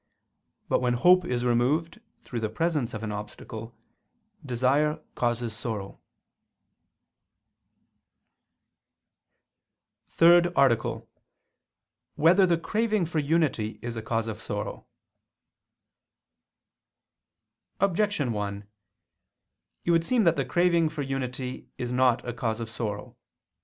But, when hope is removed through the presence of an obstacle, desire causes sorrow. ________________________ THIRD ARTICLE [I II, Q. 36, Art. 3] Whether the Craving for Unity Is a Cause of Sorrow? Objection 1: It would seem that the craving for unity is not a cause of sorrow.